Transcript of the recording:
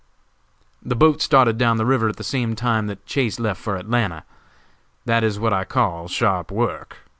The boat started down the river at the same time that Chase left for Atlanta. That is what I call sharp work.